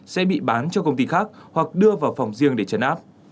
sẽ bị bán cho công ty khác hoặc đưa vào phòng riêng để chấn áp